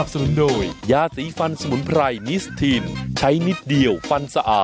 อ่ะเดี๋ยวมาฟังกันมันเจอบ่อยอะ